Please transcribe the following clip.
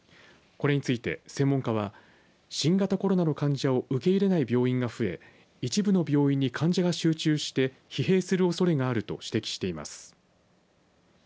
これについて専門家は新型コロナの患者を受け入れない病院が増え一部の病院に患者が集中して疲弊するおそれがあると指摘しています。